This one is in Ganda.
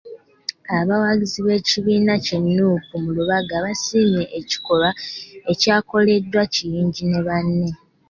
Abawagizi b'ekibiina ki Nuupu mu Lubaga basiimye ekikolwa ekyakoleddwa Kiyingi ne banne.